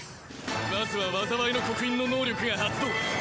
まずは災いの刻印の能力が発動。